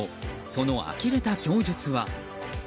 そのあきれた供述は。